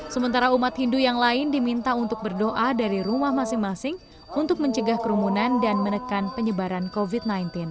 sementara umat hindu yang lain diminta untuk berdoa dari rumah masing masing untuk mencegah kerumunan dan menekan penyebaran covid sembilan belas